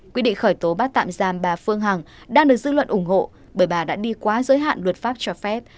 quyết định khởi tố bắt tạm giam bà phương hằng đang được dư luận ủng hộ bởi bà đã đi quá giới hạn luật pháp cho phép